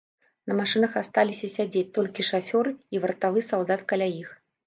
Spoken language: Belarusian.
На машынах асталіся сядзець толькі шафёры і вартавы салдат каля іх.